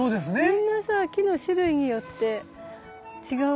みんなさ木の種類によって違うよね色が。